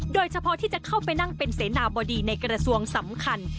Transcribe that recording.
โดยเฉพาะที่จะเข้าไปนั่งเป็นเสนาบดีในกระทรวงสำคัญ